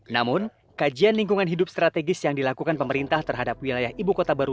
namun kajian lingkungan hidup strategis yang dilakukan pemerintah terhadap wilayah ibu kota baru